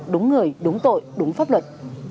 đúng người đúng tội đúng pháp luật